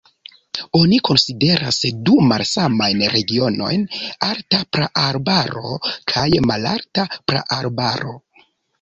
Oni konsideras du malsamajn regionojn: alta praarbaro kaj malalta praarbaro.